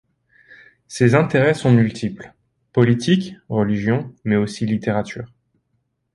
Ses intérêts sont multiples: politique, religion, mais aussi littérature.